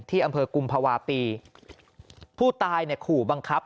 ที่อำเภอกุมภาวะปีผู้ตายเนี่ยขู่บังคับ